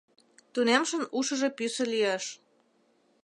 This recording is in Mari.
Тунемшын ушыжо пӱсӧ лиеш.